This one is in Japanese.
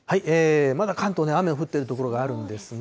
まだ関東、雨の降っている所があるんですね。